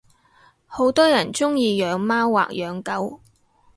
好多人鐘意養貓或養狗